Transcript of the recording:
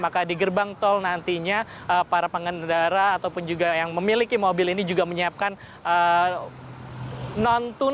maka di gerbang tol nantinya para pengendara ataupun juga yang memiliki mobil ini juga menyiapkan non tun